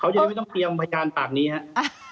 ยังไม่ต้องเตรียมพยานปากนี้ครับ